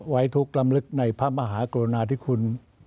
ไว้ทุกข์ลำลึกในพระมหากรุณาธิคุณ